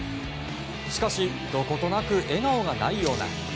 しかし、どことなく笑顔がないような。